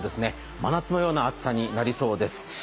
真夏のような暑さになりそうです。